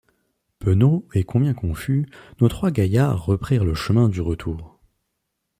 Penauds et combien confus, nos trois gaillards reprirent le chemin du retour.